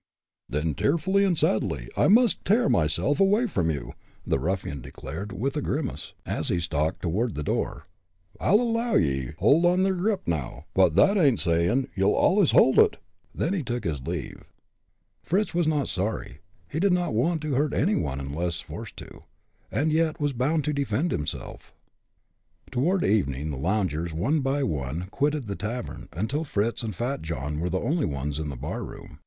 "Then, tearfully and sadly, I must tear myself away from you," the ruffian declared, with a grimace, as he stalked toward the door, "I'll allow ye hold ther grip now, but thet ain't sayin' ye'll allus hold it." Then he took his leave. Fritz was not sorry. He did not want to hurt any one unless forced to, and yet was bound to defend himself. Toward evening the loungers, one by one, quitted the tavern, until Fritz and Fat John were the only ones in the bar room.